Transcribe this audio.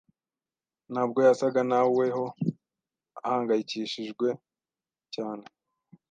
ntabwo yasaga naweho ahangayikishijwe cyane.